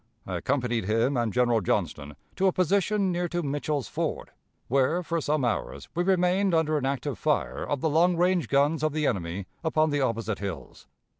I accompanied him and General Johnston to a position near to Mitchell's Ford, where for some hours we remained under an active fire of the long range guns of the enemy upon the opposite hills.